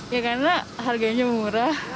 ya karena harganya murah